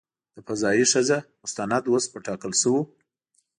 د "فضايي ښځه" مستند اوس په ټاکل شویو .